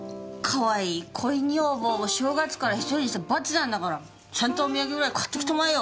かわいい恋女房を正月から１人にした罰なんだからちゃんとお土産ぐらい買ってきたまえよ！